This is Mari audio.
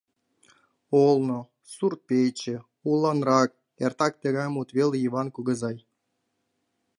«Олно», «сурт-пече», «уланрак» — эртак тыгай мут веле Йыван кугызай.